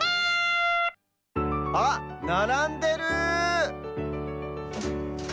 あっならんでる！